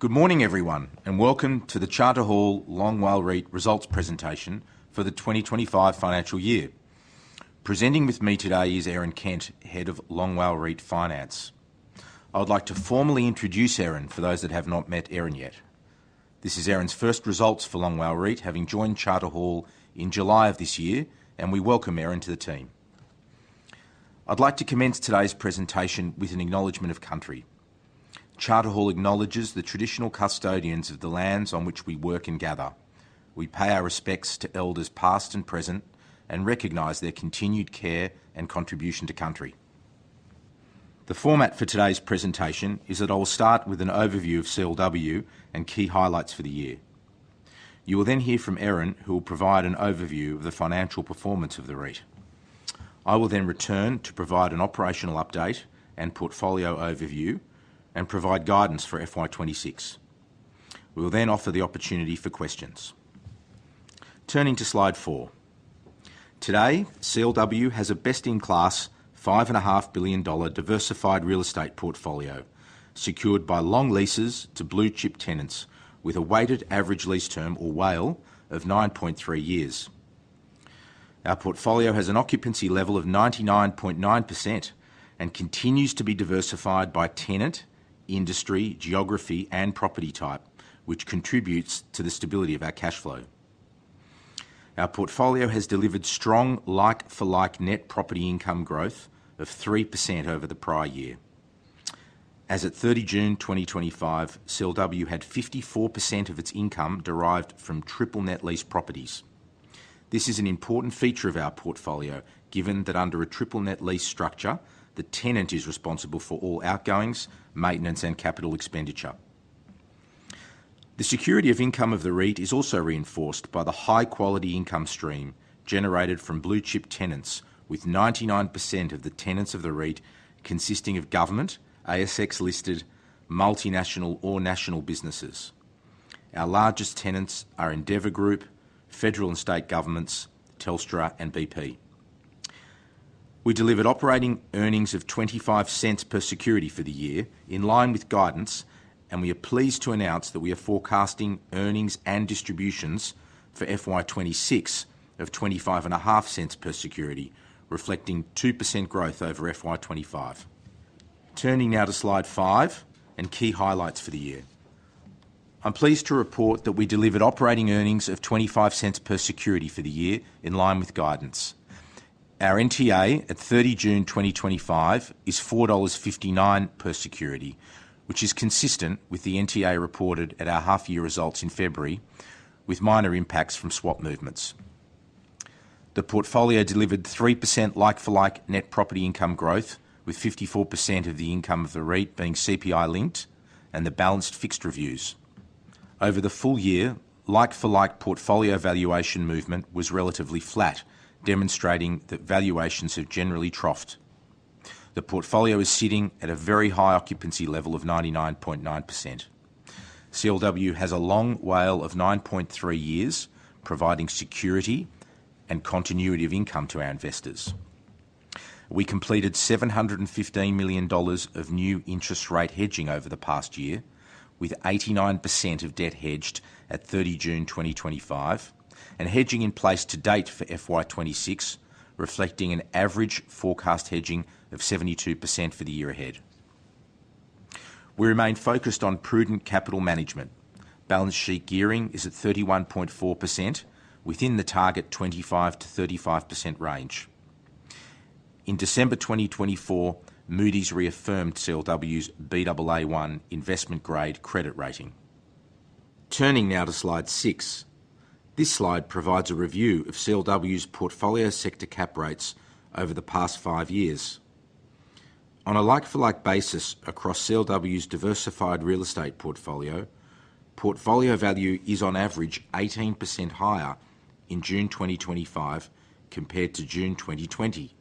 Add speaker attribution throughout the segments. Speaker 1: Good morning, everyone, and welcome to the Charter Hall Long WALE REIT Results presentation for the 2025 financial year. Presenting with me today is Erin Kent, Head of Long WALE REIT Finance. I would like to formally introduce Erin for those that have not met Erin yet. This is Erin's first results for Long WALE REIT, having joined Charter Hall in July of this year, and we welcome Erin to the team. I'd like to commence today's presentation with an acknowledgement of country. Charter Hall acknowledges the traditional custodians of the lands on which we work and gather. We pay our respects to elders past and present and recognize their continued care and contribution to country. The format for today's presentation is that I will start with an overview of CLW and key highlights for the year. You will then hear from Erin, who will provide an overview of the financial performance of the REIT. I will then return to provide an operational update and portfolio overview and provide guidance for FY 2026. We will then offer the opportunity for questions. Turning to slide four. Today, CLW has a best-in-class 5.5 billion dollar diversified real estate portfolio secured by long leases to blue-chip tenants with a weighted average lease term, or WALE, of 9.3 years. Our portfolio has an occupancy level of 99.9% and continues to be diversified by tenant, industry, geography, and property type, which contributes to the stability of our cash flow. Our portfolio has delivered strong like-for-like net property income growth of 3% over the prior year. As at 30 June 2025, CLW had 54% of its income derived from triple net lease properties. This is an important feature of our portfolio, given that under a triple net lease structure, the tenant is responsible for all outgoings, maintenance, and capital expenditure. The security of income of the REIT is also reinforced by the high-quality income stream generated from blue-chip tenants, with 99% of the tenants of the REIT consisting of government, ASX-listed, multinational, or national businesses. Our largest tenants are Endeavour Group, Federal and State governments, Telstra, and bp. We delivered operating earnings of 0.25 per security for the year in line with guidance, and we are pleased to announce that we are forecasting earnings and distributions for FY 2026 of 0.255 per security, reflecting 2% growth over FY 2025. Turning now to slide five and key highlights for the year. I'm pleased to report that we delivered operating earnings of 0.25 per security for the year in line with guidance. Our NTA at 30 June 2025 is 4.59 dollars per security, which is consistent with the NTA reported at our half-year results in February, with minor impacts from swap movements. The portfolio delivered 3% like-for-like net property income growth, with 54% of the income of the REIT being CPI-linked and the balance fixed reviews. Over the full year, like-for-like portfolio valuation movement was relatively flat, demonstrating that valuations have generally troughed. The portfolio is sitting at a very high occupancy level of 99.9%. CLW has a long WALE of 9.3 years, providing security and continuity of income to our investors. We completed 715 million dollars of new interest rate hedging over the past year, with 89% of debt hedged at 30 June 2025 and hedging in place to date for FY 2026, reflecting an average forecast hedging of 72% for the year ahead. We remain focused on prudent capital management. Balance sheet gearing is at 31.4%, within the target 25%-35% range. In December 2024, Moody’s reaffirmed CLW’s Baa1 investment-grade credit rating. Turning now to slide six. This slide provides a review of CLW’s portfolio sector cap rates over the past five years. On a like-for-like basis across CLW’s diversified real estate portfolio, portfolio value is on average 18% higher in June 2025 compared to June 2020,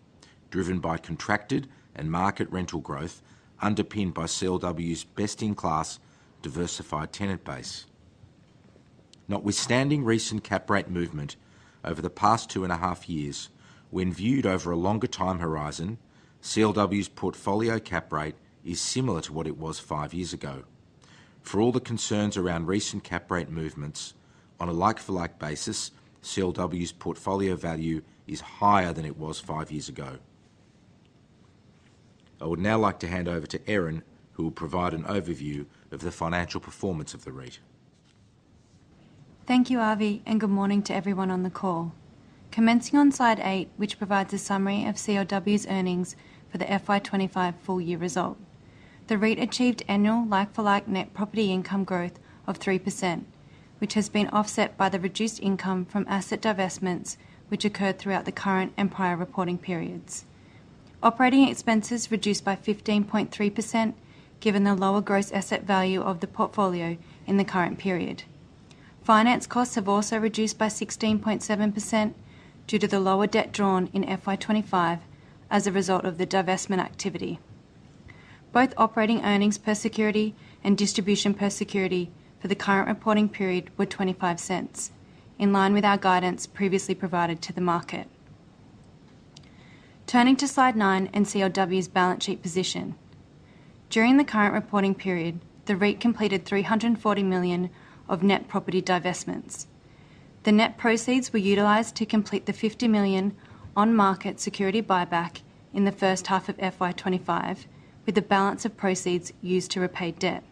Speaker 1: driven by contracted and market rental growth underpinned by CLW’s best-in-class diversified tenant base. Notwithstanding recent cap rate movement over the past two and a half years, when viewed over a longer time horizon, CLW’s portfolio cap rate is similar to what it was five years ago. For all the concerns around recent cap rate movements, on a like-for-like basis, CLW’s portfolio value is higher than it was five years ago. I would now like to hand over to Erin, who will provide an overview of the financial performance of the REIT.
Speaker 2: Thank you, Avi, and good morning to everyone on the call. Commencing on slide eight, which provides a summary of CLW's earnings for the FY 2025 full-year result, the REIT achieved annual like-for-like net property income growth of 3%, which has been offset by the reduced income from asset divestments, which occurred throughout the current and prior reporting periods. Operating expenses reduced by 15.3%, given the lower gross asset value of the portfolio in the current period. Finance costs have also reduced by 16.7% due to the lower debt drawn in FY 2025 as a result of the divestment activity. Both operating earnings per security and distribution per security for the current reporting period were 0.25, in line with our guidance previously provided to the market. Turning to slide nine and CLW's balance sheet position. During the current reporting period, the REIT completed 340 million of net property divestments. The net proceeds were utilized to complete the 50 million on-market security buyback in the first half of FY 2025, with a balance of proceeds used to repay debt.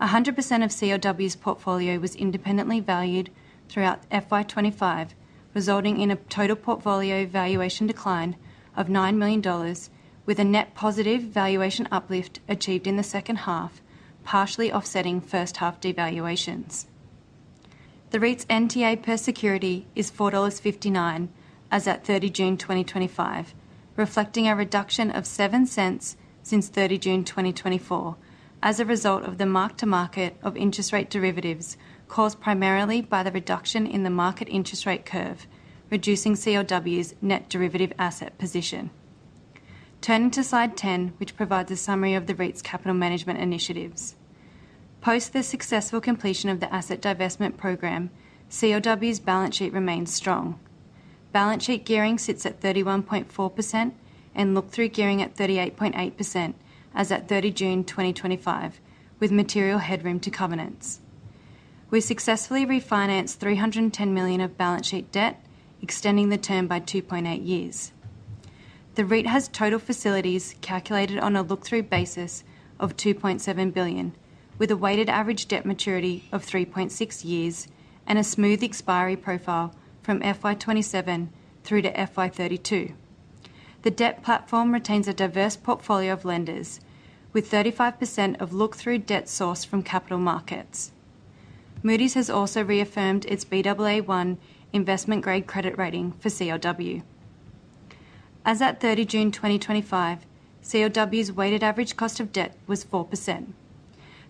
Speaker 2: 100% of CLW's portfolio was independently valued throughout FY 2025, resulting in a total portfolio valuation decline of 9 million dollars, with a net positive valuation uplift achieved in the second half, partially offsetting first-half devaluations. The REIT's NTA per security is 4.59 dollars as at 30 June 2025, reflecting a reduction of 0.07 since 30 June 2024, as a result of the mark-to-market of interest rate derivatives caused primarily by the reduction in the market interest rate curve, reducing CLW's net derivative asset position. Turning to slide ten, which provides a summary of the REIT's capital management initiatives. Post the successful completion of the asset divestment program, CLW's balance sheet remains strong. Balance sheet gearing sits at 31.4% and look-through gearing at 38.8% as at 30 June 2025, with material headroom to covenants. We successfully refinanced 310 million of balance sheet debt, extending the term by 2.8 years. The REIT has total facilities calculated on a look-through basis of AUD 2.7 billion, with a weighted average debt maturity of 3.6 years and a smooth expiry profile from FY 2027 through to FY 2032. The debt platform retains a diverse portfolio of lenders, with 35% of look-through debt sourced from capital markets. Moody's has also reaffirmed its Baa1 investment-grade credit rating for CLW. As at 30 June 2025, CLW's weighted average cost of debt was 4%,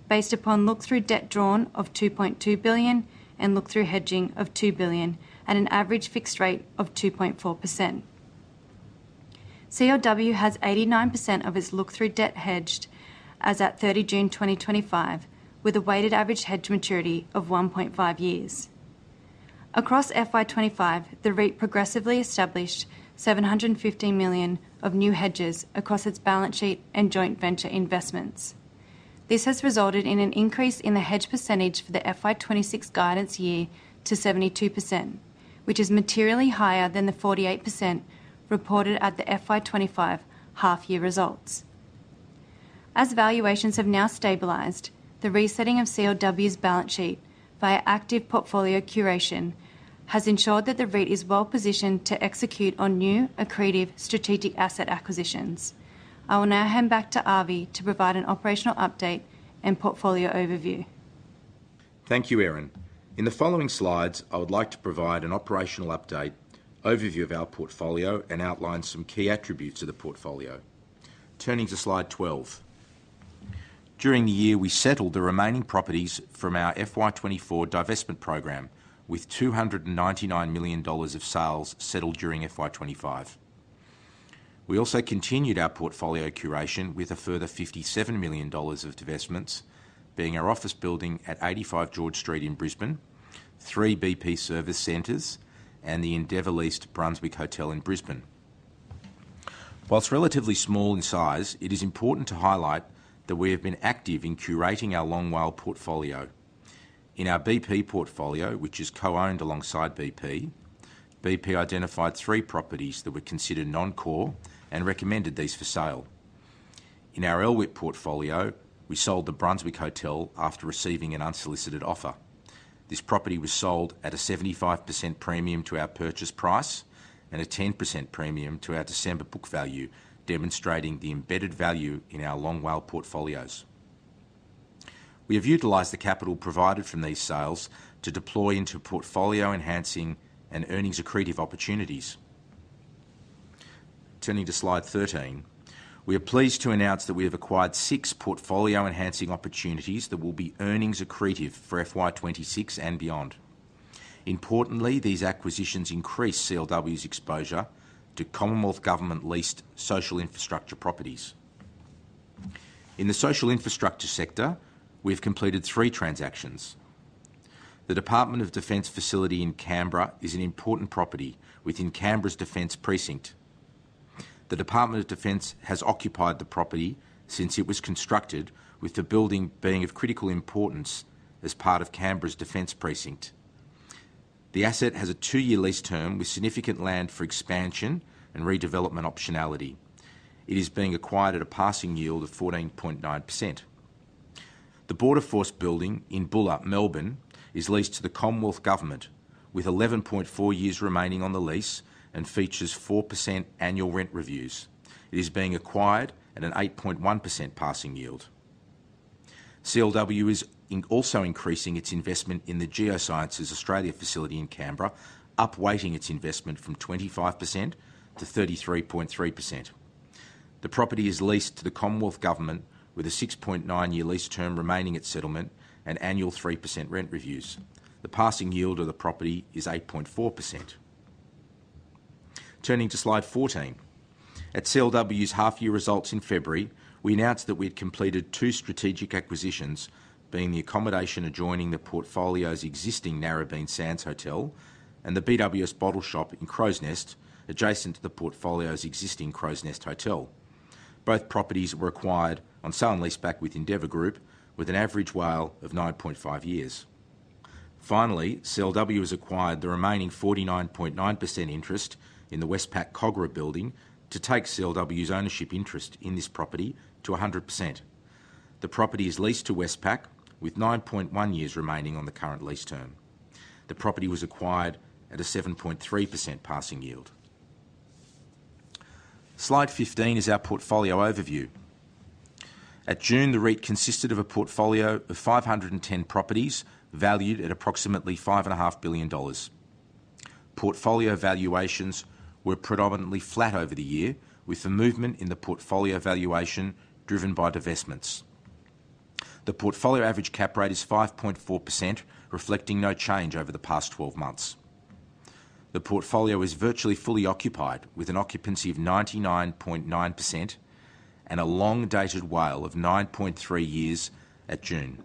Speaker 2: based upon look-through debt drawn of 2.2 billion and look-through hedging of 2 billion at an average fixed rate of 2.4%. CLW has 89% of its look-through debt hedged as at 30 June 2025, with a weighted average hedge maturity of 1.5 years. Across FY 2025, the REIT progressively established 715 million of new hedges across its balance sheet and joint venture investments. This has resulted in an increase in the hedge percentage for the FY 2026 guidance year to 72%, which is materially higher than the 48% reported at the FY 2025 half-year results. As valuations have now stabilized, the resetting of CLW's balance sheet via active portfolio curation has ensured that the REIT is well positioned to execute on new or creative strategic asset acquisitions. I will now hand back to Avi to provide an operational update and portfolio overview.
Speaker 1: Thank you, Erin. In the following slides, I would like to provide an operational update, overview of our portfolio, and outline some key attributes of the portfolio. Turning to slide 12. During the year, we settled the remaining properties from our FY24 divestment program, with 299 million dollars of sales settled during FY 2025. We also continued our portfolio curation with a further 57 million dollars of divestments, being our office building at 85 George Street in Brisbane, three bp service centers, and the Endeavour leased Brunswick Hotel in Brisbane. Whilst relatively small in size, it is important to highlight that we have been active in curating our Long WALE portfolio. In our bp portfolio, which is co-owned alongside bp, bp identified three properties that were considered non-core and recommended these for sale. In our Long WALE portfolio, we sold the Brunswick Hotel after receiving an unsolicited offer. This property was sold at a 75% premium to our purchase price and a 10% premium to our December book value, demonstrating the embedded value in our Long WALE portfolios. We have utilized the capital provided from these sales to deploy into portfolio-enhancing and earnings accretive opportunities. Turning to slide 13, we are pleased to announce that we have acquired six portfolio-enhancing opportunities that will be earnings accretive for FY 2026 and beyond. Importantly, these acquisitions increase CLW's exposure to Commonwealth Government-leased social infrastructure properties. In the social infrastructure sector, we have completed three transactions. The Department of Defence facility in Canberra is an important property within Canberra's Defence Precinct. The Department of Defence has occupied the property since it was constructed, with the building being of critical importance as part of Canberra's Defence Precinct. The asset has a two-year lease term with significant land for expansion and redevelopment optionality. It is being acquired at a passing yield of 14.9%. The Border Force building in Bulla, Melbourne is leased to the Commonwealth Government, with 11.4 years remaining on the lease and features 4% annual rent reviews. It is being acquired at an 8.1% passing yield. CLW is also increasing its investment in the Geoscience Australia facility in Canberra, upweighting its investment from 25% to 33.3%. The property is leased to the Commonwealth government, with a 6.9-year lease term remaining at settlement and annual 3% rent reviews. The passing yield of the property is 8.4%. Turning to slide 14. At CLW's half-year results in February, we announced that we had completed two strategic acquisitions, being the accommodation adjoining the portfolio's existing Narrabeen Sands Hotel and the BWS bottle shop in Crows Nest, adjacent to the portfolio's existing Crows Nest Hotel. Both properties were acquired on sale and lease back with Endeavour Group, with an average WALE of 9.5 years. Finally, CLW has acquired the remaining 49.9% interest in the Westpac Kogarah building to take CLW's ownership interest in this property to 100%. The property is leased to Westpac, with 9.1 years remaining on the current lease term. The property was acquired at a 7.3% passing yield. Slide 15 is our portfolio overview. At June, the REIT consisted of a portfolio of 510 properties valued at approximately 5.5 billion dollars. Portfolio valuations were predominantly flat over the year, with a movement in the portfolio valuation driven by divestments. The portfolio average cap rate is 5.4%, reflecting no change over the past 12 months. The portfolio is virtually fully occupied, with an occupancy of 99.9% and a long-dated WALE of 9.3 years at June.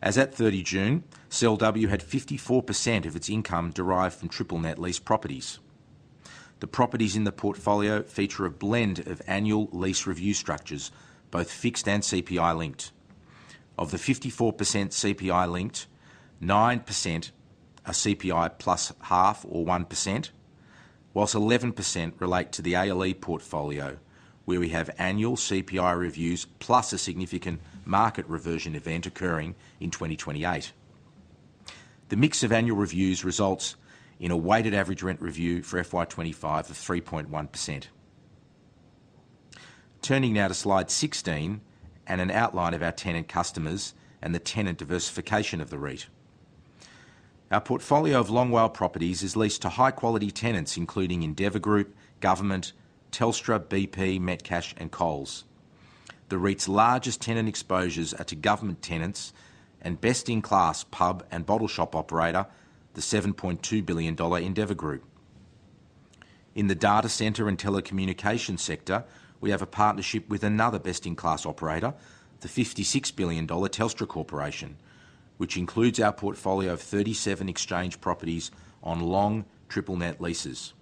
Speaker 1: As at 30 June, CLW had 54% of its income derived from triple net lease properties. The properties in the portfolio feature a blend of annual lease review structures, both fixed and CPI-linked. Of the 54% CPI-linked, 9% are CPI plus half or 1%, whilst 11% relate to the ALE portfolio, where we have annual CPI reviews plus a significant market reversion event occurring in 2028. The mix of annual reviews results in a weighted average rent review for FY 2025 of 3.1%. Turning now to slide 16 and an outline of our tenant customers and the tenant diversification of the REIT. Our portfolio of Long WALE properties is leased to high-quality tenants, including Endeavour Group, Government, Telstra, bp, Metcash, and Coles. The REIT's largest tenant exposures are to Government tenants and best-in-class pub and bottle shop operator, the 7.2 billion dollar Endeavour Group. In the data center and telecommunications sector, we have a partnership with another best-in-class operator, the 56 billion dollar Telstra Corporation, which includes our portfolio of 37 exchange properties on long triple net leases.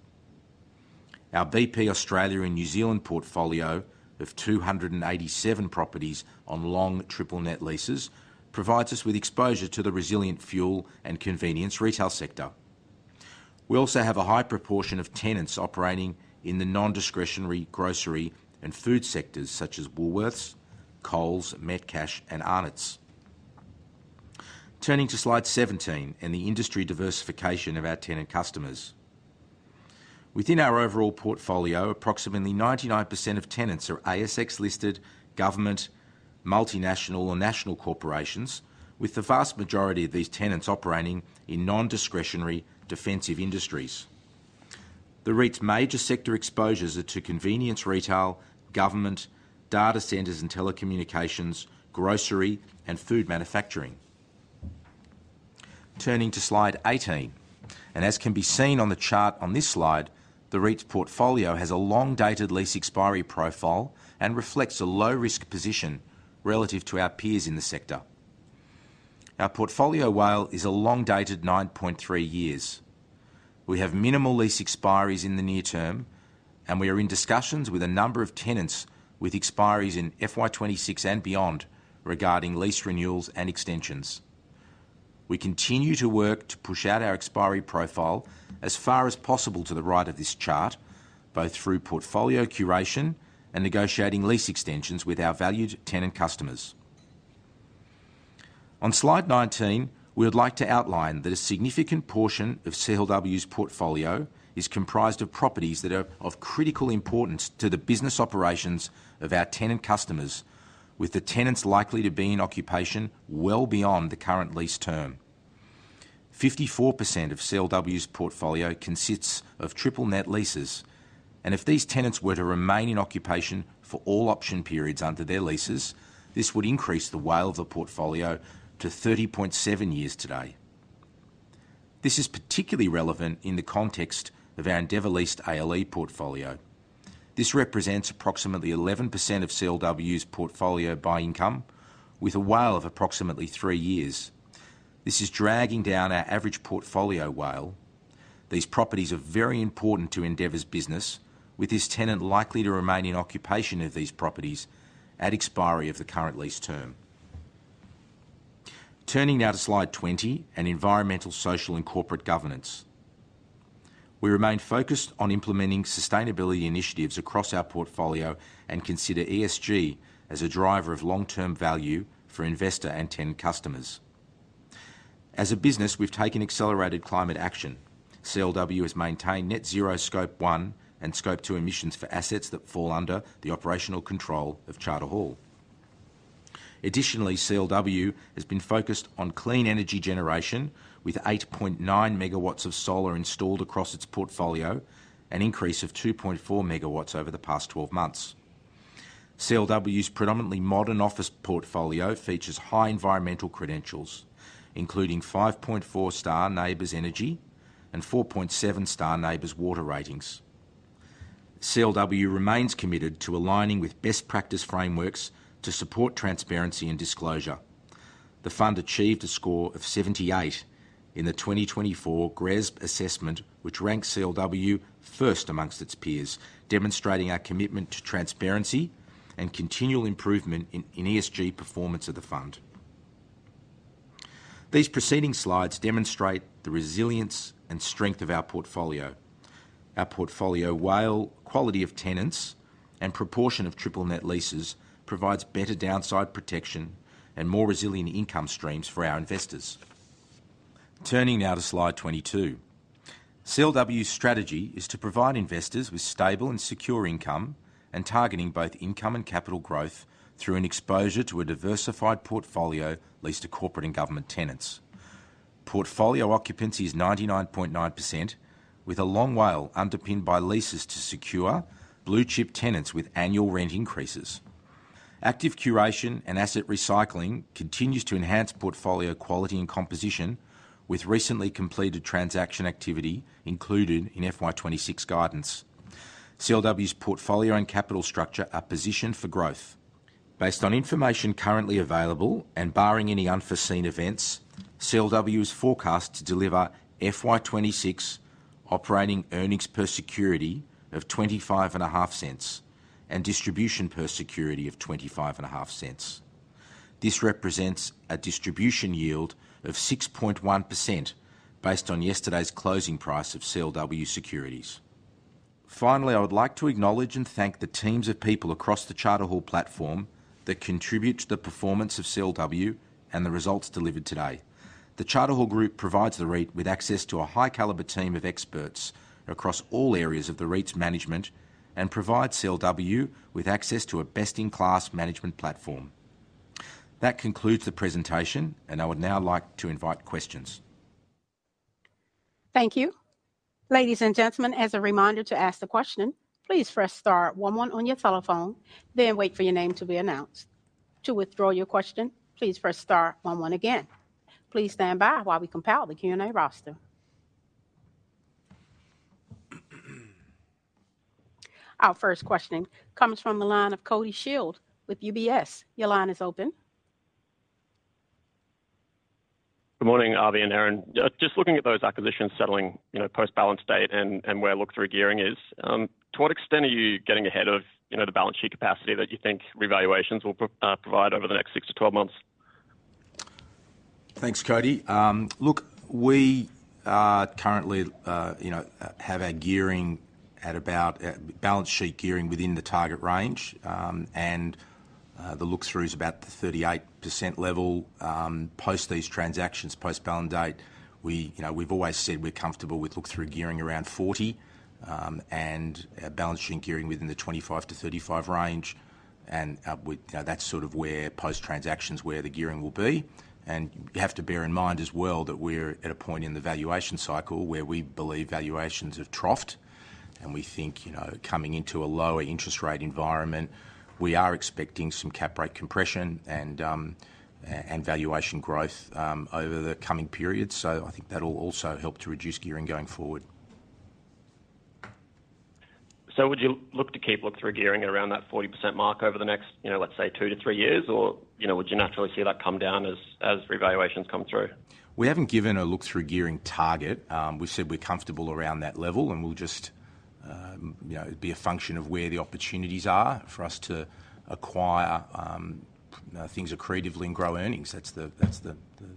Speaker 1: Our bp Australia and New Zealand portfolio of 287 properties on long triple net leases provides us with exposure to the resilient fuel and convenience retail sector. We also have a high proportion of tenants operating in the non-discretionary grocery and food sectors such as Woolworths, Coles, Metcash, and Arnott's. Turning to slide 17 and the industry diversification of our tenant customers. Within our overall portfolio, approximately 99% of tenants are ASX-listed, government, multinational, or national corporations, with the vast majority of these tenants operating in non-discretionary defensive industries. The REIT's major sector exposures are to convenience retail, government, data centers and telecommunications, grocery, and food manufacturing. Turning to slide 18. As can be seen on the chart on this slide, the REIT's portfolio has a long-dated lease expiry profile and reflects a low-risk position relative to our peers in the sector. Our portfolio WALE is a long-dated 9.3 years. We have minimal lease expiries in the near term, and we are in discussions with a number of tenants with expiries in FY 2026 and beyond regarding lease renewals and extensions. We continue to work to push out our expiry profile as far as possible to the right of this chart, both through portfolio curation and negotiating lease extensions with our valued tenant customers. On slide 19, we would like to outline that a significant portion of CLW's portfolio is comprised of properties that are of critical importance to the business operations of our tenant customers, with the tenants likely to be in occupation well beyond the current lease term. 54% of CLW's portfolio consists of triple net leases, and if these tenants were to remain in occupation for all option periods under their leases, this would increase the WALE of the portfolio to 30.7 years today. This is particularly relevant in the context of our Endeavour Leased ALE portfolio. This represents approximately 11% of CLW's portfolio by income, with a WALE of approximately 3 years. This is dragging down our average portfolio WALE. These properties are very important to Endeavour's business, with this tenant likely to remain in occupation of these properties at expiry of the current lease term. Turning now to slide 20 and environmental, social, and corporate governance. We remain focused on implementing sustainability initiatives across our portfolio and consider ESG as a driver of long-term value for investor and tenant customers. As a business, we've taken accelerated climate action. CLW has maintained net zero Scope 1 and Scope 2 emissions for assets that fall under the operational control of Charter Hall. Additionally, CLW has been focused on clean energy generation, with 8.9 MW of solar installed across its portfolio, an increase of 2.4 MW over the past 12 months. CLW's predominantly modern office portfolio features high environmental credentials, including 5.4 star NABERS Energy and 4.7 star NABERS Water ratings. CLW remains committed to aligning with best practice frameworks to support transparency and disclosure. The fund achieved a score of 78 in the 2024 GRESB assessment, which ranked CLW first amongst its peers, demonstrating our commitment to transparency and continual improvement in ESG performance of the fund. These preceding slides demonstrate the resilience and strength of our portfolio. Our portfolio WALE, quality of tenants, and proportion of triple net leases provides better downside protection and more resilient income streams for our investors. Turning now to slide 22. CLW's strategy is to provide investors with stable and secure income and targeting both income and capital growth through an exposure to a diversified portfolio leased to corporate and government tenants. Portfolio occupancy is 99.9%, with a long WALE underpinned by leases to secure blue-chip tenants with annual rent increases. Active curation and asset recycling continue to enhance portfolio quality and composition, with recently completed transaction activity included in FY 2026 guidance. CLW's portfolio and capital structure are positioned for growth. Based on information currently available and barring any unforeseen events, CLW is forecast to deliver FY 2026 operating earnings per security of 0.255 and distribution per security of 0.255. This represents a distribution yield of 6.1% based on yesterday's closing price of CLW securities. Finally, I would like to acknowledge and thank the teams of people across the Charter Hall platform that contribute to the performance of CLW and the results delivered today. The Charter Hall Group provides the REIT with access to a high-caliber team of experts across all areas of the REIT's management and provides CLW with access to a best-in-class management platform. That concludes the presentation, and I would now like to invite questions.
Speaker 3: Thank you. Ladies and gentlemen, as a reminder to ask the question, please press star one one on your telephone, then wait for your name to be announced. To withdraw your question, please press star one one again. Please stand by while we compile the Q&A roster. Our first question comes from the line of Cody Shield with UBS. Your line is open.
Speaker 4: Good morning, Avi and Erin. Just looking at those acquisitions settling post-balance date and where look-through gearing is, to what extent are you getting ahead of the balance sheet capacity that you think revaluations will provide over the next 6 to 12 months?
Speaker 1: Thanks, Cody. Look, we currently have our gearing at about balance sheet gearing within the target range, and the look-through is about the 38% level. Post these transactions, post-balance date, we've always said we're comfortable with look-through gearing around 40% and balance sheet gearing within the 25%-35% range. That's sort of where post-transactions where the gearing will be. You have to bear in mind as well that we're at a point in the valuation cycle where we believe valuations have troughed, and we think, coming into a lower interest rate environment, we are expecting some cap rate compression and valuation growth over the coming period. I think that'll also help to reduce gearing going forward.
Speaker 4: Would you look to keep look-through gearing at around that 40% mark over the next, you know, let's say two to three years, or would you naturally see that come down as revaluations come through?
Speaker 1: We haven't given a look-through gearing target. We said we're comfortable around that level, and it'll just be a function of where the opportunities are for us to acquire things accretively and grow earnings. That's the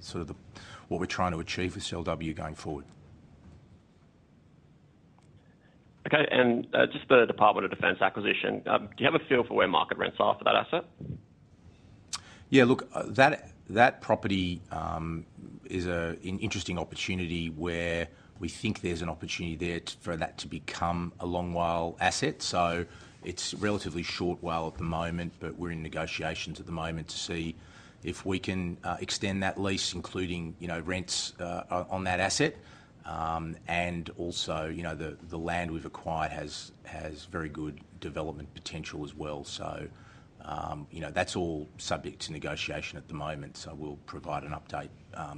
Speaker 1: sort of what we're trying to achieve with CLW going forward.
Speaker 4: Okay. Just the Department of Defence acquisition, do you have a feel for where market rents are for that asset?
Speaker 1: Yeah, look, that property is an interesting opportunity where we think there's an opportunity there for that to become a Long WALE asset. It's relatively short WALE at the moment, but we're in negotiations at the moment to see if we can extend that lease, including, you know, rents on that asset. Also, the land we've acquired has very good development potential as well. That's all subject to negotiation at the moment. We'll provide an update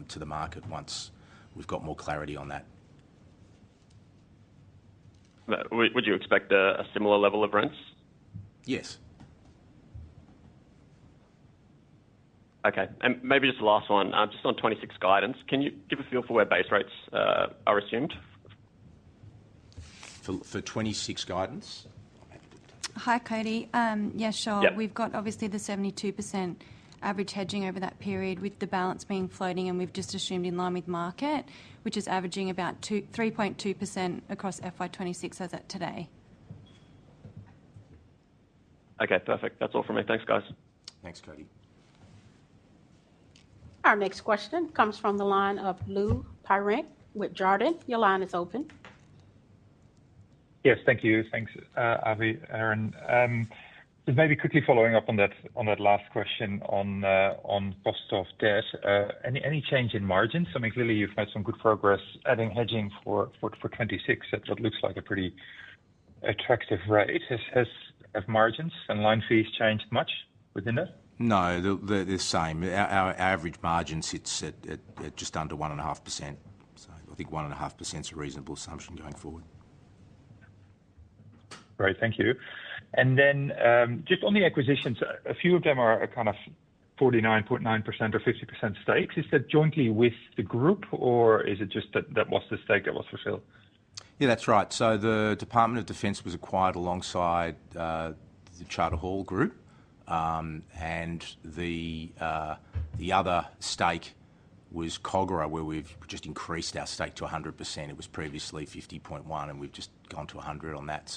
Speaker 1: to the market once we've got more clarity on that.
Speaker 4: Would you expect a similar level of rents?
Speaker 1: Yes.
Speaker 4: Okay. Maybe just the last one, just on 2026 guidance, can you give a feel for where base rates are assumed?
Speaker 1: For 2026 guidance?
Speaker 2: Hi, Cody. Yeah, sure. We've got obviously the 72% average hedging over that period with the balance being floating, and we've just assumed in line with market, which is averaging about 3.2% across FY 2026 as at today.
Speaker 4: Okay, perfect. That's all from me. Thanks, guys.
Speaker 1: Thanks, Cody.
Speaker 3: Our next question comes from the line of Lou Pirenc with Jarden. Your line is open.
Speaker 5: Yes, thank you. Thanks, Avi, Erin. Maybe quickly following up on that last question on cost of debt. Any change in margins? I mean, clearly you've made some good progress adding hedging for 2026. That looks like a pretty attractive rate. Have margins and line fees changed much within that?
Speaker 1: No, they're the same. Our average margin sits at just under 1.5%. I think 1.5% is a reasonable assumption going forward.
Speaker 5: Great, thank you. Just on the acquisitions, a few of them are a kind of 49.9% or 50% stakes. Is that jointly with the group, or is it just that that was the stake that was fulfilled?
Speaker 1: Yeah, that's right. The Department of Defence was acquired alongside the Charter Hall Group, and the other stake was Kogarah, where we've just increased our stake to 100%. It was previously 50.1%, and we've just gone to 100% on that.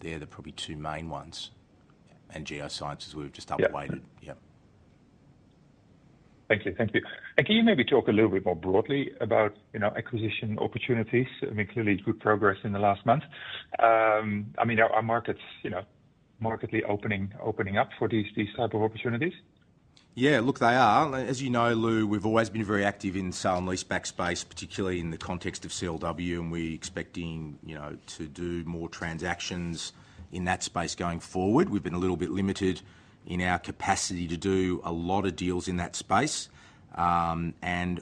Speaker 1: They're the probably two main ones. Geoscience Australia, we've just upweighted. Yeah.
Speaker 5: Thank you. Can you maybe talk a little bit more broadly about, you know, acquisition opportunities? I mean, clearly it's good progress in the last month. I mean, are markets, you know, markedly opening up for these types of opportunities?
Speaker 1: Yeah, look, they are. As you know, Lou, we've always been very active in the sale and leaseback space, particularly in the context of CLW, and we're expecting to do more transactions in that space going forward. We've been a little bit limited in our capacity to do a lot of deals in that space. I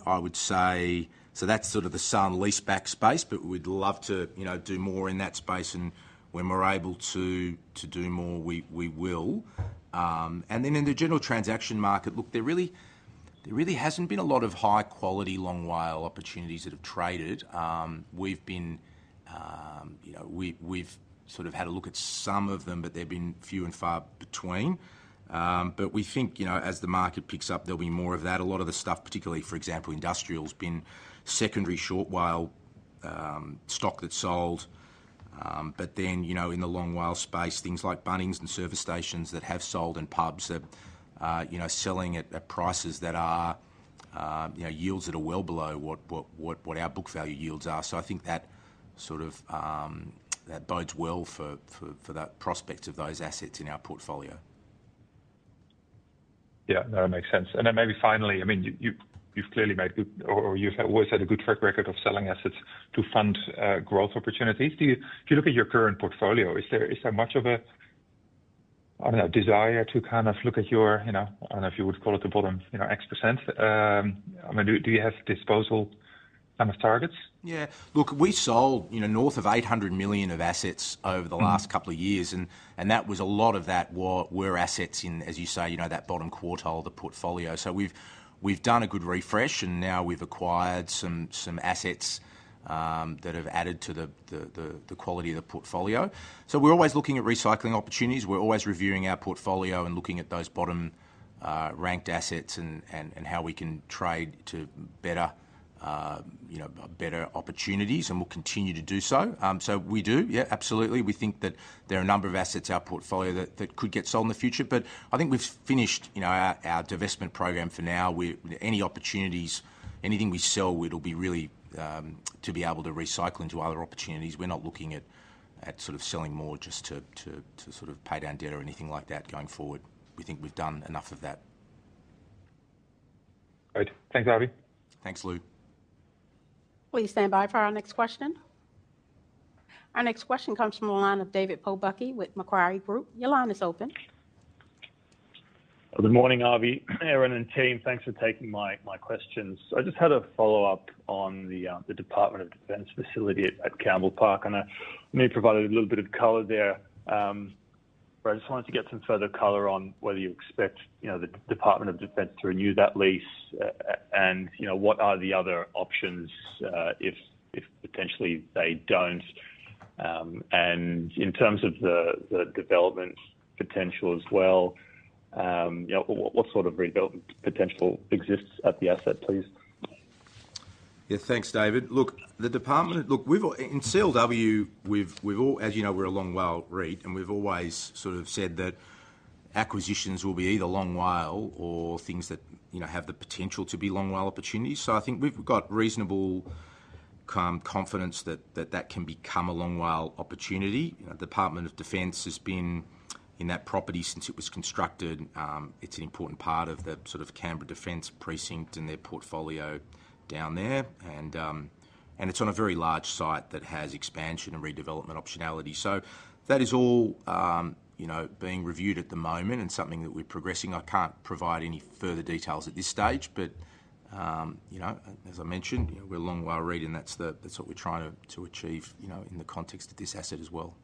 Speaker 1: would say that's sort of the sale and leaseback space, but we'd love to do more in that space. When we're able to do more, we will. In the general transaction market, there really hasn't been a lot of high-quality Long WALE opportunities that have traded. We've had a look at some of them, but they've been few and far between. We think as the market picks up, there'll be more of that. A lot of the stuff, particularly, for example, industrial, has been secondary short WALE stock that sold. In the Long WALE space, things like Bunnings and service stations that have sold and pubs have been selling at prices that are yields that are well below what our book value yields are. I think that sort of bodes well for the prospects of those assets in our portfolio.
Speaker 5: Yeah, no, that makes sense. Maybe finally, you've clearly made good, or you've always had a good track record of selling assets to fund growth opportunities. If you look at your current portfolio, is there much of a, I don't know, desire to kind of look at your, you know, I don't know if you would call it the bottom, you know, x%? Do you have disposable kind of targets?
Speaker 1: Yeah, look, we sold, you know, north of 800 million of assets over the last couple of years, and a lot of that were assets in, as you say, you know, that bottom quartile of the portfolio. We've done a good refresh, and now we've acquired some assets that have added to the quality of the portfolio. We're always looking at recycling opportunities. We're always reviewing our portfolio and looking at those bottom-ranked assets and how we can trade to better, you know, better opportunities, and we'll continue to do so. We do, yeah, absolutely. We think that there are a number of assets in our portfolio that could get sold in the future, but I think we've finished, you know, our divestment program for now. Any opportunities, anything we sell, it'll be really to be able to recycle into other opportunities. We're not looking at sort of selling more just to sort of pay down debt or anything like that going forward. We think we've done enough of that.
Speaker 5: Thanks, Avi.
Speaker 1: Thanks, Lou.
Speaker 3: Will you stand by for our next question? Our next question comes from a line of David Pobucky with Macquarie Group. Your line is open.
Speaker 6: Good morning, Avi, Erin, and team. Thanks for taking my questions. I just had a follow-up on the Department of Defence facility at Campbell Park. I know you provided a little bit of color there, but I just wanted to get some further color on whether you expect the Department of Defence to renew that lease and what are the other options if potentially they don't. In terms of the development potential as well, what sort of development potential exists at the asset, please?
Speaker 1: Yeah, thanks, David. The Department, we've all, in CLW, as you know, we're a Long WALE REIT, and we've always sort of said that acquisitions will be either Long WALE or things that have the potential to be Long WALE opportunities. I think we've got reasonable confidence that that can become a Long WALE opportunity. The Department of Defence has been in that property since it was constructed. It's an important part of the Canberra Defence Precinct and their portfolio down there. It's on a very large site that has expansion and redevelopment optionality. That is all being reviewed at the moment and something that we're progressing. I can't provide any further details at this stage, but as I mentioned, we're a Long WALE REIT and that's what we're trying to achieve in the context of this asset as well.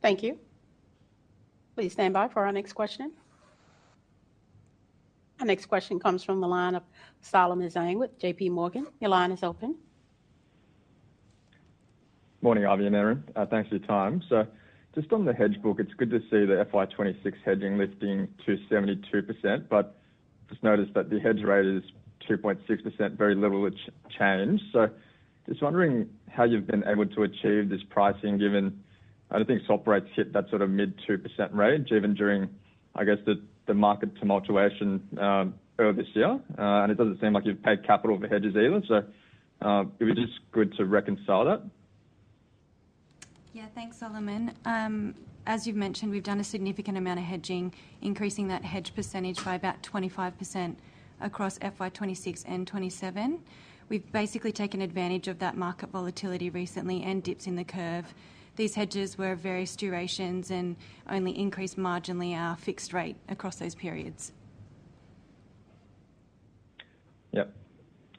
Speaker 3: Thank you. Will you stand by for our next question? Our next question comes from the line of Saleem Hussain with JP Morgan. Your line is open.
Speaker 7: Morning, Avi and Erin. Thanks for your time. Just on the hedge book, it's good to see the FY 2026 hedging lifting to 72%, but just noticed that the hedge rate is 2.6%, very little change. I'm just wondering how you've been able to achieve this pricing given I don't think swap rates hit that sort of mid-2% range even during, I guess, the market tumultuation earlier this year. It doesn't seem like you've paid capital for hedges either. It would be just good to reconcile that.
Speaker 2: Yeah, thanks, Saleem. As you've mentioned, we've done a significant amount of hedging, increasing that hedge percentage by about 25% across FY 2026 and 2027. We've basically taken advantage of that market volatility recently and dips in the curve. These hedges were of various durations and only increased marginally our fixed rate across those periods.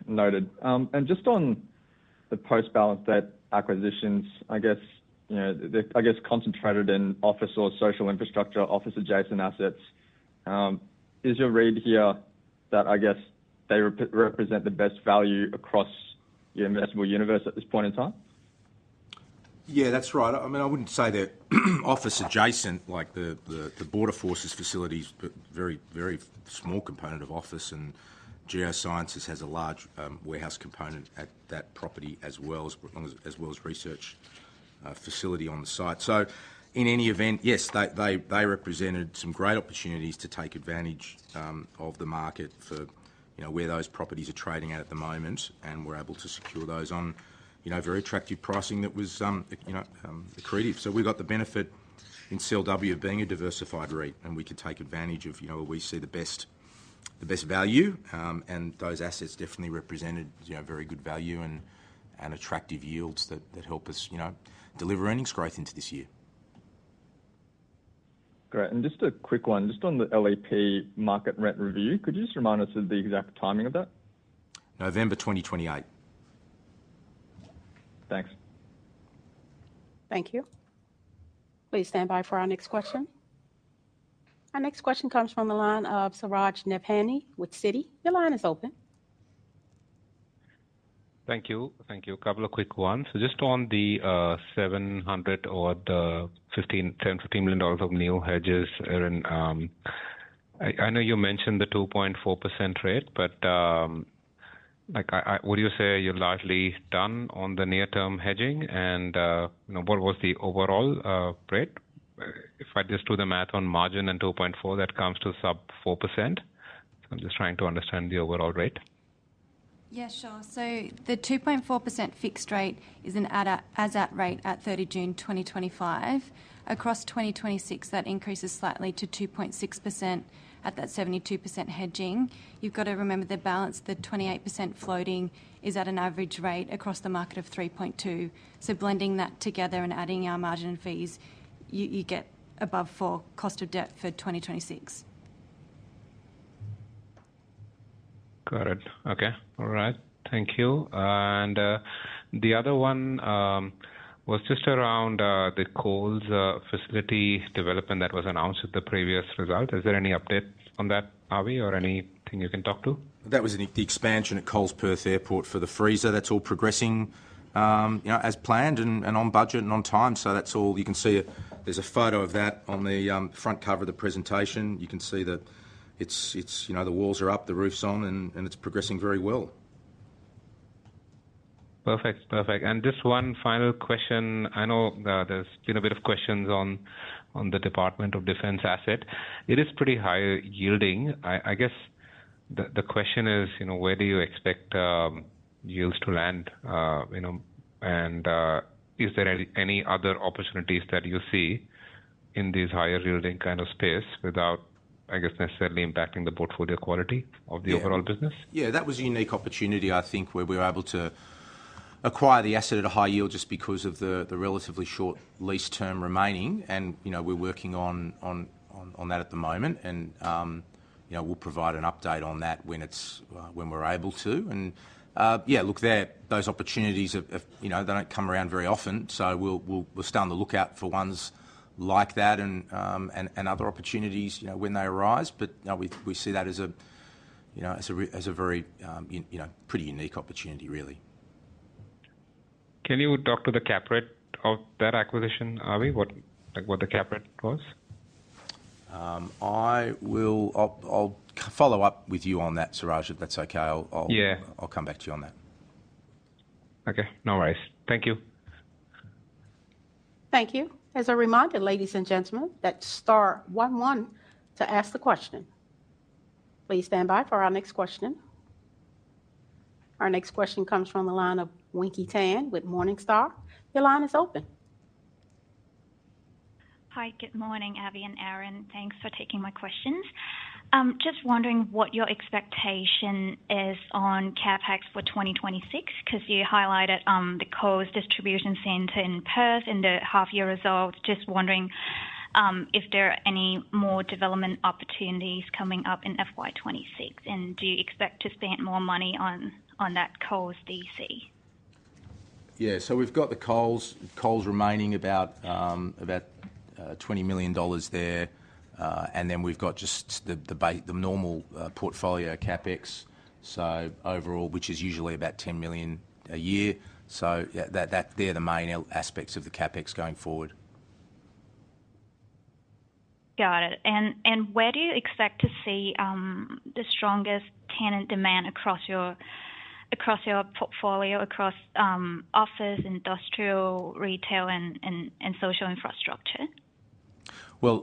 Speaker 7: Noted. Just on the post-balance debt acquisitions, I guess, you know, concentrated in office or social infrastructure, office-adjacent assets. Is your read here that they represent the best value across your investable universe at this point in time?
Speaker 1: Yeah, that's right. I mean, I wouldn't say that office-adjacent, like the Border Force facilities, but a very, very small component of office and Geoscience Australia has a large warehouse component at that property as well as research facility on the site. In any event, yes, they represented some great opportunities to take advantage of the market for where those properties are trading at at the moment and were able to secure those on very attractive pricing that was accretive. We got the benefit in Charter Hall Long WALE REIT of being a diversified REIT and we could take advantage of where we see the best value and those assets definitely represented very good value and attractive yields that help us deliver earnings growth into this year.
Speaker 7: Great. Just a quick one, just on the LEP market rent review, could you just remind us of the exact timing of that?
Speaker 1: November 2028.
Speaker 7: Thanks.
Speaker 3: Thank you. Will you stand by for our next question? Our next question comes from the line of Suraj Nephani with Citi. Your line is open.
Speaker 8: Thank you. Thank you. Couple of quick ones. Just on the 700 million or the 715 million dollars of new hedges, Erin, I know you mentioned the 2.4% rate, but would you say you're largely done on the near-term hedging and you know what was the overall rate? If I just do the math on margin and 2.4%, that comes to sub 4%. I'm just trying to understand the overall rate.
Speaker 2: Yeah, sure. The 2.4% fixed rate is an add-up rate at 30 June 2025. Across 2026, that increases slightly to 2.6% at that 72% hedging. You've got to remember the balance, the 28% floating is at an average rate across the market of 3.2%. Blending that together and adding our margin and fees, you get above 4% cost of debt for 2026.
Speaker 8: Okay. All right. Thank you. The other one was just around the Coles facility development that was announced with the previous result. Is there any update on that, Avi, or anything you can talk to?
Speaker 1: That was the expansion at Coles Perth Airport for the freezer. That's all progressing as planned, on budget, and on time. You can see there's a photo of that on the front cover of the presentation. You can see that the walls are up, the roof's on, and it's progressing very well.
Speaker 8: Perfect. Perfect. Just one final question. I know there's a bit of questions on the Department of Defence asset. It is pretty high yielding. I guess the question is, where do you expect yields to land? Is there any other opportunities that you see in this higher yielding kind of space without necessarily impacting the portfolio quality of the overall business?
Speaker 1: Yeah, that was a unique opportunity, I think, where we were able to acquire the asset at a high yield just because of the relatively short lease term remaining. We're working on that at the moment, and we'll provide an update on that when we're able to. Those opportunities don't come around very often, so we'll stay on the lookout for ones like that and other opportunities when they arise. We see that as a pretty unique opportunity, really.
Speaker 8: Can you talk to the cap rate of that acquisition, Avi, what the cap rate was?
Speaker 1: I'll follow up with you on that, Suraj, if that's okay. I'll come back to you on that.
Speaker 8: Okay, no worries. Thank you.
Speaker 3: Thank you. As a reminder, ladies and gentlemen, that's star one one to ask the question. Please stand by for our next question. Our next question comes from the line of Winky Tan with Morningstar. Your line is open.
Speaker 9: Hi, good morning, Avi and Erin. Thanks for taking my questions. Just wondering what your expectation is on CapEx for 2026 because you highlighted the Coles Distribution Centre in Perth in the half-year result. Just wondering if there are any more development opportunities coming up in FY 2026. Do you expect to spend more money on that Coles DC?
Speaker 1: Yeah, we've got the Coles remaining at about 20 million dollars there, and we've got just the normal portfolio CapEx, which is usually about 10 million a year. That's the main aspects of the CapEx going forward.
Speaker 9: Got it. Where do you expect to see the strongest tenant demand across your portfolio, across office, industrial, retail, and social infrastructure?
Speaker 1: We're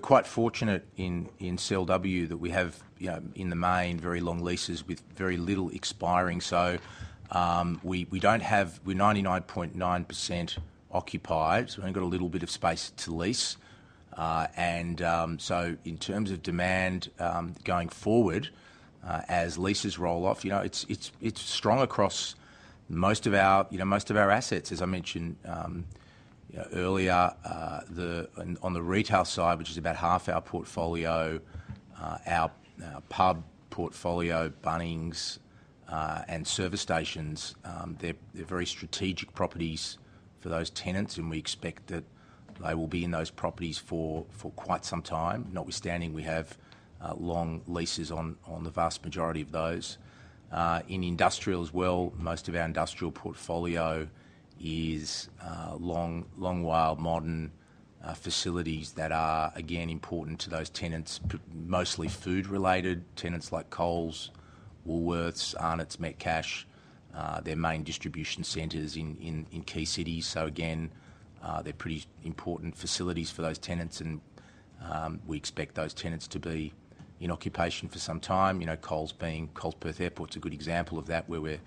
Speaker 1: quite fortunate in CLW that we have, in the main, very long leases with very little expiring. We are 99.9% occupied, so we've only got a little bit of space to lease. In terms of demand going forward, as leases roll off, it's strong across most of our assets. As I mentioned earlier, on the retail side, which is about half our portfolio, our pub portfolio, Bunnings, and service stations, they're very strategic properties for those tenants. We expect that they will be in those properties for quite some time, notwithstanding we have long leases on the vast majority of those. In industrial as well, most of our industrial portfolio is Long WALE modern facilities that are, again, important to those tenants, mostly food-related tenants like Coles, Woolworths, Arnott's, Metcash, their main distribution centers in key cities. They're pretty important facilities for those tenants, and we expect those tenants to be in occupation for some time. Coles Perth Airport is a good example of that, where we're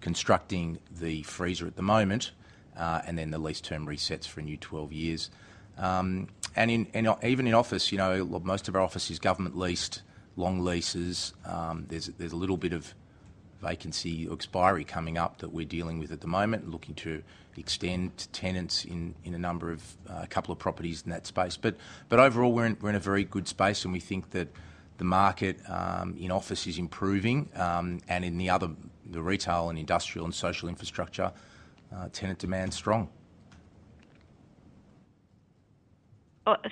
Speaker 1: constructing the freezer at the moment, and then the lease term resets for a new 12 years. Even in office, most of our office is government-leased long leases. There's a little bit of vacancy or expiry coming up that we're dealing with at the moment and looking to extend tenants in a number of properties in that space. Overall, we're in a very good space, and we think that the market in office is improving. In the other, the retail and industrial and social infrastructure, tenant demand is strong.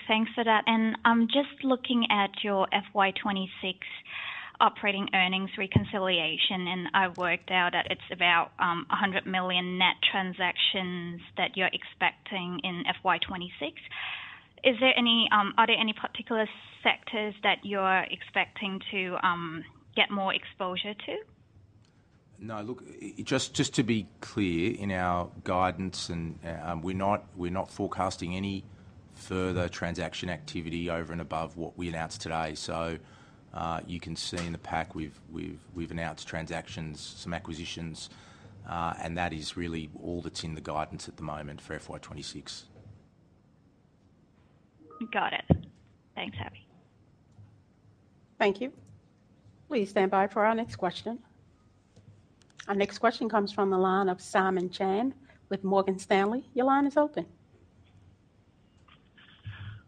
Speaker 9: Thanks for that. I'm just looking at your FY 2026 operating earnings reconciliation. I worked out that it's about 100 million net transactions that you're expecting in FY 2026. Are there any particular sectors that you're expecting to get more exposure to?
Speaker 1: No, look, just to be clear, in our guidance, we're not forecasting any further transaction activity over and above what we announced today. You can see in the pack we've announced transactions, some acquisitions. That is really all that's in the guidance at the moment for FY 2026.
Speaker 9: Got it. Thanks, Avi.
Speaker 3: Thank you. Please stand by for our next question. Our next question comes from the line of Simon Chan with Morgan Stanley. Your line is open.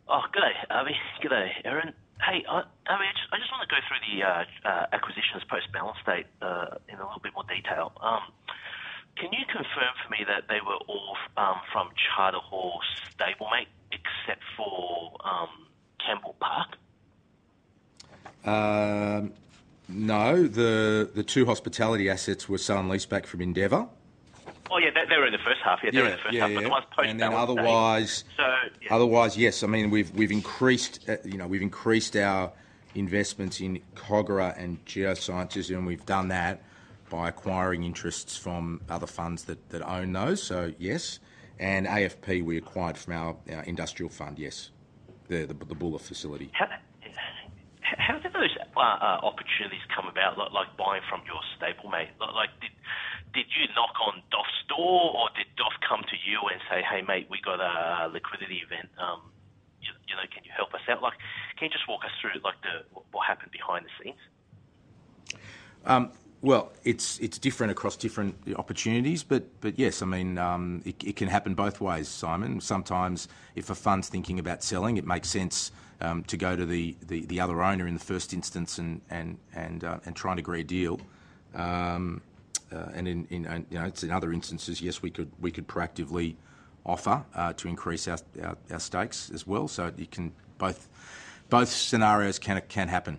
Speaker 10: Oh, good day, Avi. Good day, Erin. Hey, Avi, I just want to go through the acquisitions post-balance date in a little bit more detail. Can you confirm for me that they were all from Charter Hall stablemate except for Campbell Park?
Speaker 1: No. The two hospitality assets were sale and leaseback from Endeavour.
Speaker 10: Oh, yeah, they're in the first half. Yeah, they're in the first half.
Speaker 1: Otherwise, yes. I mean, we've increased, you know, we've increased our investments in Kogarah and Geosciences, and we've done that by acquiring interests from other funds that own those. So, yes. And AFP, we acquired from our industrial fund. Yes. The Bulla facility.
Speaker 10: Yes. How did those opportunities come about, like buying from your stablemate? Like, did you knock on DOF's door or did DOF come to you and say, "Hey, mate, we've got a liquidity event. You know, can you help us out?" Like, can you just walk us through like what happened behind the scenes?
Speaker 1: It's different across different opportunities, but yes, it can happen both ways, Simon. Sometimes if a fund's thinking about selling, it makes sense to go to the other owner in the first instance and try and agree a deal. In other instances, we could proactively offer to increase our stakes as well. Both scenarios can happen.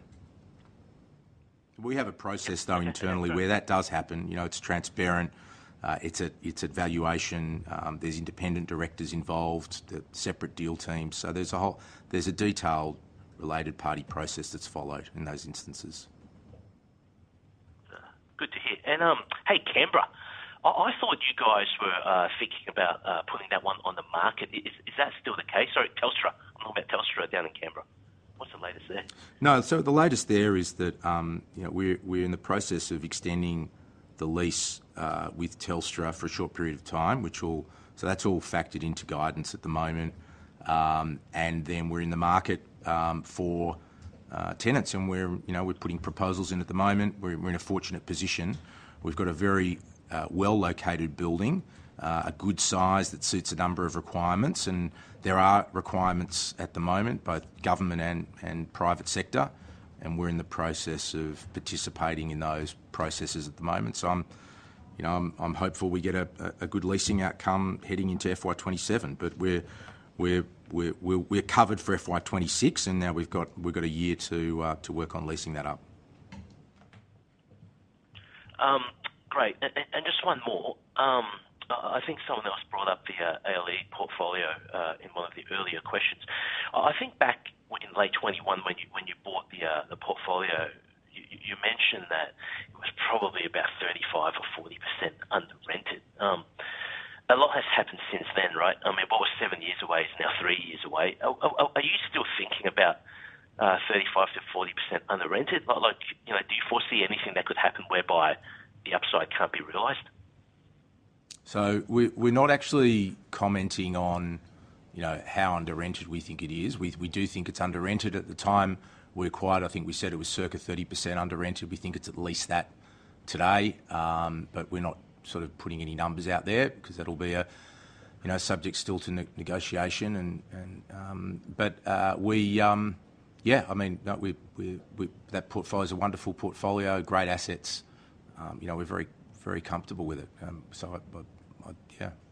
Speaker 1: We have a process though internally where that does happen. It's transparent. It's at valuation. There are independent directors involved, separate deal teams. There's a detailed related party process that's followed in those instances.
Speaker 10: Good to hear. Hey, Canberra, I thought you guys were thinking about putting that one on the market. Is that still the case? Sorry, Telstra. I'm talking about Telstra down in Canberra. What's the latest there?
Speaker 1: No, the latest there is that we're in the process of extending the lease with Telstra for a short period of time, which is all factored into guidance at the moment. We're in the market for tenants, and we're putting proposals in at the moment. We're in a fortunate position. We've got a very well-located building, a good size that suits a number of requirements, and there are requirements at the moment, both government and private sector. We're in the process of participating in those processes at the moment. I'm hopeful we get a good leasing outcome heading into FY 2027, but we're covered for FY 2026, and now we've got a year to work on leasing that up.
Speaker 10: Great. Just one more. I think someone else brought up the ALE portfolio in one of the earlier questions. I think back in late 2021, when you bought the portfolio, you mentioned that it was probably about 35% or 40% underrented. A lot has happened since then, right? I mean, what was seven years away is now three years away. Are you still thinking about 35%-40% underrented? Do you foresee anything that could happen whereby the upside can't be realized?
Speaker 1: We're not actually commenting on how underrented we think it is. We do think it's underrented at the time we acquired. I think we said it was circa 30% underrented. We think it's at least that today, but we're not putting any numbers out there because that'll be subject still to negotiation. That portfolio is a wonderful portfolio, great assets. We're very, very comfortable with it.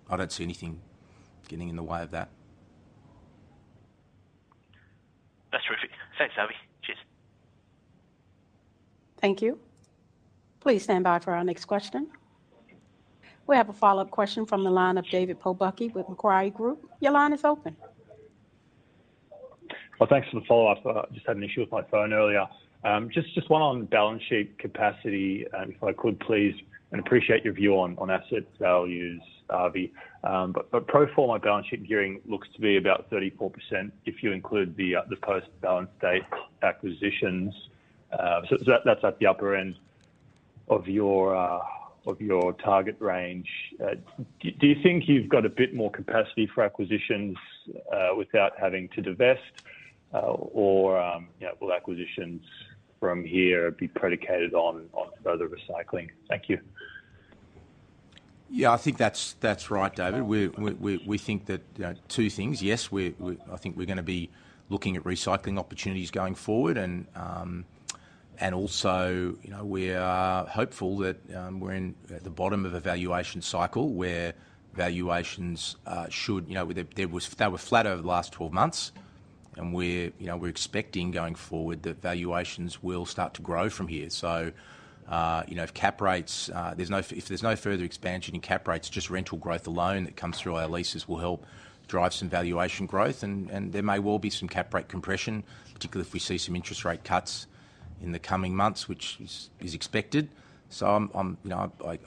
Speaker 1: I don't see anything getting in the way of that.
Speaker 10: That's terrific. Thanks, Avi. Cheers.
Speaker 3: Thank you. Please stand by for our next question. We have a follow-up question from the line of David Pobucky with Macquarie Group. Your line is open.
Speaker 6: Thank you for the follow-up. I just had an issue with my phone earlier. Just one on balance sheet capacity, if I could, please, and appreciate your view on asset values, Avi. Profile on my balance sheet and gearing looks to be about 34% if you include the post-balance date acquisitions. That's at the upper end of your target range. Do you think you've got a bit more capacity for acquisitions without having to divest, or will acquisitions from here be predicated on further recycling? Thank you.
Speaker 1: Yeah, I think that's right, David. We think that two things. Yes, I think we're going to be looking at recycling opportunities going forward. Also, we're hopeful that we're at the bottom of a valuation cycle where valuations should, you know, they were flat over the last 12 months. We're expecting going forward that valuations will start to grow from here. If cap rates, if there's no further expansion in cap rates, just rental growth alone that comes through our leases will help drive some valuation growth. There may well be some cap rate compression, particularly if we see some interest rate cuts in the coming months, which is expected. I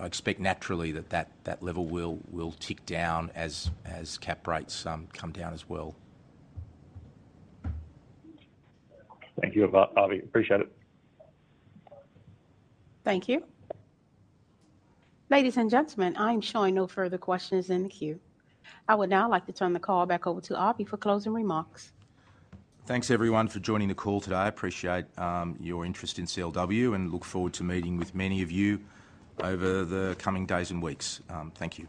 Speaker 1: expect naturally that that level will tick down as cap rates come down as well.
Speaker 6: Thank you, Avi. Appreciate it.
Speaker 3: Thank you. Ladies and gentlemen, I am showing no further questions in the queue. I would now like to turn the call back over to Avi for closing remarks.
Speaker 1: Thanks, everyone, for joining the call today. I appreciate your interest in CLW and look forward to meeting with many of you over the coming days and weeks. Thank you.